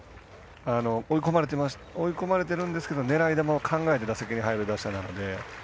追い込まれてるんですけど狙い球を考えて打席に入る打者なので。